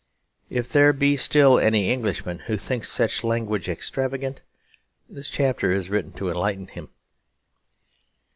If there be still any Englishman who thinks such language extravagant, this chapter is written to enlighten him.